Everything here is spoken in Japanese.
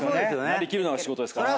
なり切るのが仕事ですから。